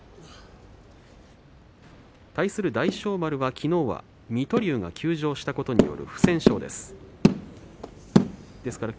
対する大翔丸、きのうは水戸龍が休場したことによる不戦勝です。